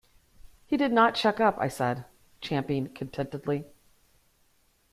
'He did not check up' I said, champing contentedly.